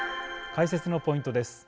解説のポイントです。